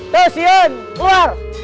tuh siang keluar